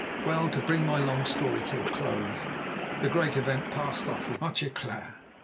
Well, to bring my long story to a close, the Great Event passed off with much éclat.